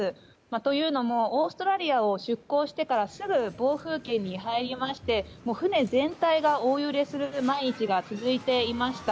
というのもオーストラリアを出航してからすぐ暴風圏に入りまして、船全体が大揺れする毎日が続いていました。